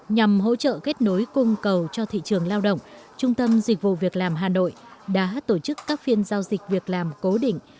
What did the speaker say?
nhằm hỗ trợ kết nối cung cầu cho thị trường lao động trung tâm dịch vụ việc làm hà nội đã tổ chức các phiên giao dịch việc làm cố định